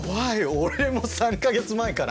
俺も３か月前から。